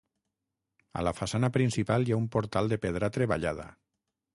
A la façana principal hi ha un portal de pedra treballada.